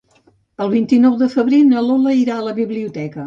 El vint-i-nou de febrer na Lola irà a la biblioteca.